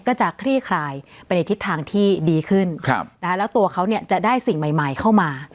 คลี่คลายไปในทิศทางที่ดีขึ้นแล้วตัวเขาเนี่ยจะได้สิ่งใหม่ใหม่เข้ามา